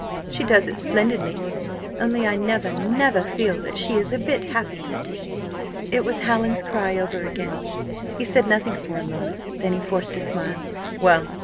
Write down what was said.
She does it splendidly. Only I never, never feel that she is a bit happy in it." It was Hallin's cry over again. He said nothing for a moment; then he forced a smile. "Well!